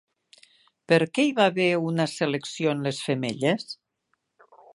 Per què hi va haver una selecció en les femelles?